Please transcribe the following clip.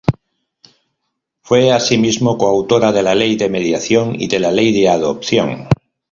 Fue asimismo coautora de la ley de mediación y de la ley de adopción.